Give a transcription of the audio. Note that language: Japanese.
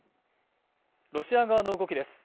ロシア側の動きです